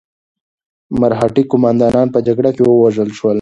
مرهټي قوماندانان په جګړه کې ووژل شول.